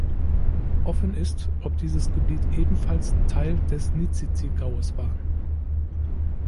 Offen ist, ob dieses Gebiet ebenfalls Teil des Nizizi-Gaues war.